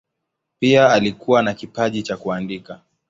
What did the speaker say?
Pia alikuwa na kipaji cha kuandika.